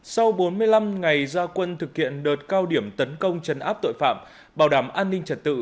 sau bốn mươi năm ngày gia quân thực hiện đợt cao điểm tấn công chấn áp tội phạm bảo đảm an ninh trật tự